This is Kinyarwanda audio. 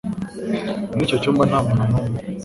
Muri icyo cyumba nta muntu n'umwe